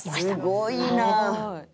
「すごいな！」